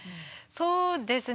そうですね。